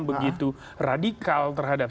begitu radikal terhadap